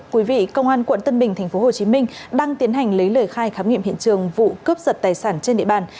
quý vị công an quận tân bình tp hcm đang tiến hành lấy lời khai khám nghiệm hiện trường vụ cướp giật tài sản trên địa bàn